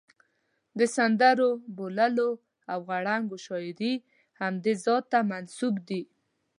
د سندرو، بوللو او غړانګو شاعري همدې ذات ته منسوب دي.